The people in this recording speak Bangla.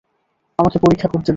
আমাকে পরীক্ষা করতে দাও।